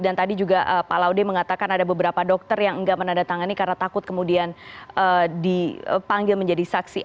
dan tadi juga pak laude mengatakan ada beberapa dokter yang tidak menandatangani karena takut kemudian dipanggil menjadi saksi